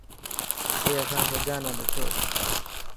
اي اسان سجا نا ڏٺو.